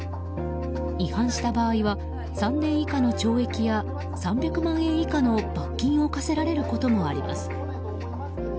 違反した場合は３年以下の懲役や３００万円以下の罰金を科せられることもあります。